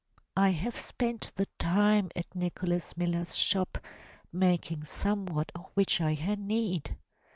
I have spent the time at Nicholas Miller's shop making somewhat of which I had need!"